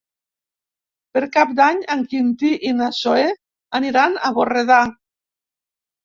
Per Cap d'Any en Quintí i na Zoè aniran a Borredà.